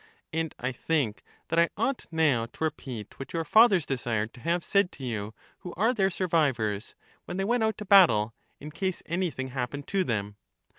And I think that I ought now to repeat what your fathers desired to have said to you who are their survivors, when they went out to battle, in case anything happened to them.